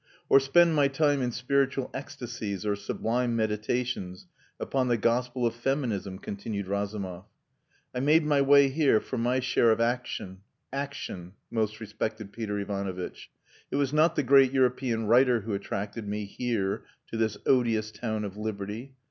"Or spend my time in spiritual ecstasies or sublime meditations upon the gospel of feminism," continued Razumov. "I made my way here for my share of action action, most respected Peter Ivanovitch! It was not the great European writer who attracted me, here, to this odious town of liberty.